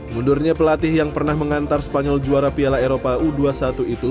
mundurnya pelatih yang pernah mengantar spanyol juara piala eropa u dua puluh satu itu